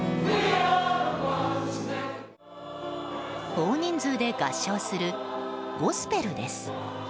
大人数で合唱するゴスペルです。